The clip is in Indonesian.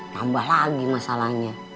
tambah lagi masalahnya